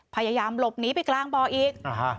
พยายามหลบหนีไปกลางบ่ออีก